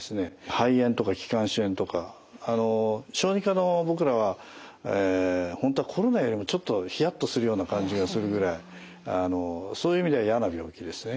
肺炎とか気管支炎とか小児科の僕らは本当はコロナよりもちょっとヒヤッとするような感じがするぐらいそういう意味では嫌な病気ですね。